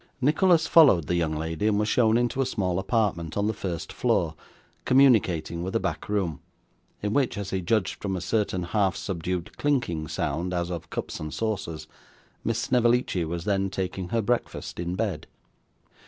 Nicholas followed the young lady, and was shown into a small apartment on the first floor, communicating with a back room; in which, as he judged from a certain half subdued clinking sound, as of cups and saucers, Miss Snevellicci was then taking her breakfast in bed.